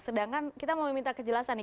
sedangkan kita mau meminta kejelasan nih